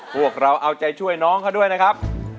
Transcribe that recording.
พวกเราเอาใจช่วยน้องเขาด้วยนะครับ